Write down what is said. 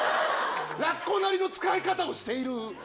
ラッコなりの使い方してる。